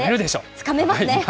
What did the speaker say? つかめますね。